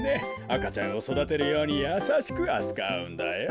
あかちゃんをそだてるようにやさしくあつかうんだよ。